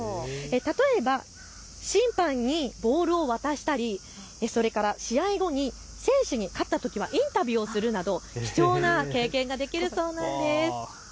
例えば審判にボールを渡したりそれから試合後に選手に勝ったときはインタビューをするなど貴重な経験ができるそうなんです。